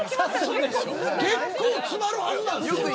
結構詰まるはずなんですよ。